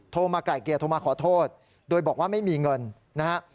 มาไก่เกลียดโทรมาขอโทษโดยบอกว่าไม่มีเงินนะฮะ